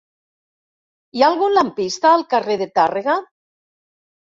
Hi ha algun lampista al carrer de Tàrrega?